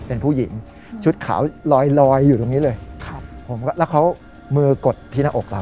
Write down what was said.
เป็นผู้หญิงชุดขาวลอยลอยอยู่ตรงนี้เลยครับผมก็แล้วเขามือกดที่หน้าอกเรา